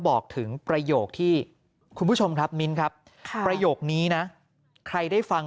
บอกถึงประโยคที่คุณผู้ชมครับมิ้นครับประโยคนี้นะใครได้ฟัง